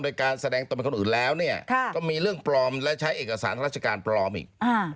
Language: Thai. โดยการแสดงตนเป็นคนอื่นแล้วเนี่ยก็มีเรื่องปลอมและใช้เอกสารราชการปลอมอีก